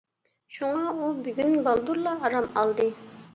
شۇڭا ئۇ بۈگۈن بالدۇرلا ئارام ئالدى.